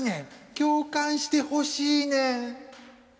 共感してほしいねん。